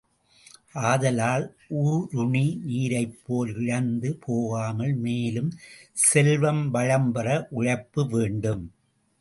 ஆதலால், ஊருணி நீரைப்போல இழந்து போகாமல் மேலும் செல்வ வளம் பெற உழைப்பு வேண்டும்.